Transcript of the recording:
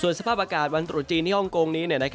ส่วนสภาพอากาศวันตรุษจีนในคลุมนี้